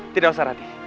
tidak usah rati